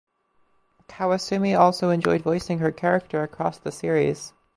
Kawasumi also enjoyed voicing her character across thee series.